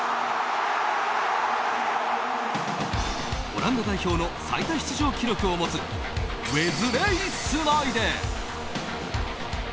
オランダ代表の最多出場記録を持つヴェスレイ・スナイデル。